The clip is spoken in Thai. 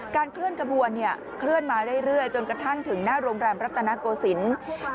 เคลื่อนขบวนเคลื่อนมาเรื่อยจนกระทั่งถึงหน้าโรงแรมรัตนโกศิลป์